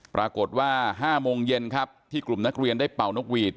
ปรากฏว่า๕โมงเย็นครับที่กลุ่มนักเรียนได้เป่านกหวีด